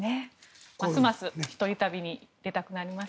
ますます一人旅に出たくなりました。